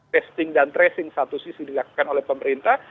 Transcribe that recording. testing dan tracing satu sisi dilakukan oleh pemerintah